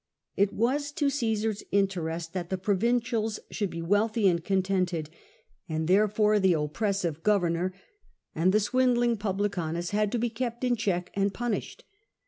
It was to Caesar's interest that the provincials should be wealthy and contented, and therefore the oppresive governor and the swindling pvhlieanus had to be kept in check and punished.